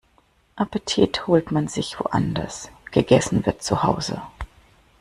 Appetit holt man sich woanders, gegessen wird zu Hause.